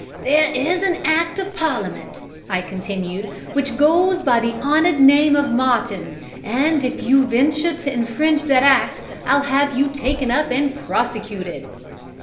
"There is an Act of Parliament," I continued, "which goes by the honoured name of Martin, and if you venture to infringe that Act I'll have you taken up and prosecuted."